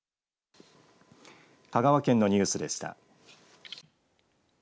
香川県のニュースでした。